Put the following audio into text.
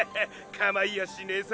かまいやしねぇさ！